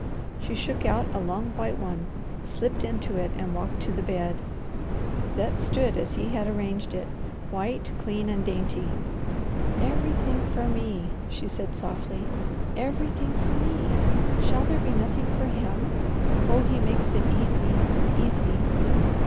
She shook out a long white one, slipped into it, and walked to the bed. That stood as he had arranged it, white, clean, and dainty. "Everything for me!" she said softly. "Everything for me! Shall there be nothing for him? Oh he makes it easy, easy!"